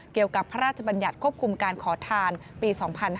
เกี่ยวกับพระราชบัญญัติควบคุมการขอทานปี๒๕๕๙